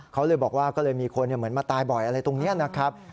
เขาเลยบอกว่าก็เลยมีคนเหมือนมาตายบ่อยอะไรตรงนี้นะครับ